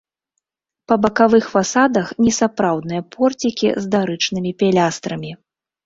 Па бакавых фасадах несапраўдныя порцікі з дарычнымі пілястрамі.